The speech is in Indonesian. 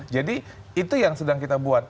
jadi itu yang sedang kita buat